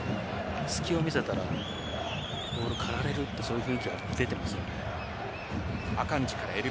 隙を見せたらボール刈られるという雰囲気が出ていますね。